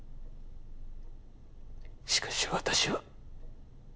しかし私は。